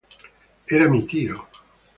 Era mi tio.